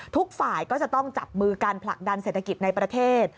ทุกฝ่ายก็จะต้องจับมือการผลักดันเศรษฐกิจในประเทศ